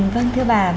vâng thưa bà